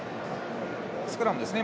スクラムですね